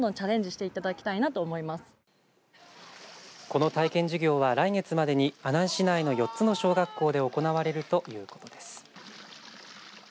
この体験授業は来月までに阿南市内の４つの小学校で行われるということです。